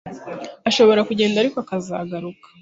ashobora kugenda ariko akazagaruka